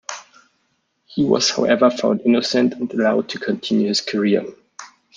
He was however found innocent and allowed to continue his career.